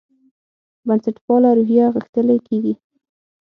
بنسټپاله روحیه غښتلې کېږي.